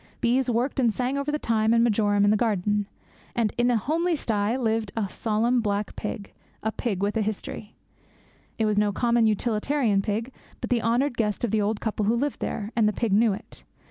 Bees worked and sang over the thyme and marjoram in the garden; and in a homely sty lived a solemn black pig, a pig with a history. It was no common utilitarian pig, but the honoured guest of the old couple who lived there; and the pig knew it.